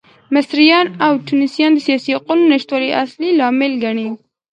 مصریان او ټونسیان د سیاسي حقونو نشتوالی اصلي لامل ګڼي.